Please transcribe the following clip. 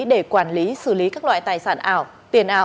để quản lý xử lý các loại tài sản ảo tiền ảo tiền ảo